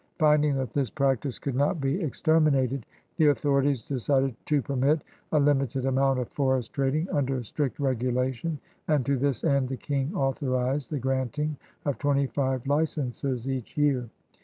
Finding that this practice could not be exterminated, the authorities decided to permit a limited amoimt of forest trading under strict regulation, and to this end the King authorized the granting of twenty five licenses each year.